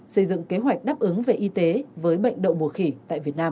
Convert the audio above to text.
xây dựng kế hoạch đáp ứng về y tế với bệnh đậu mùa khỉ tại việt nam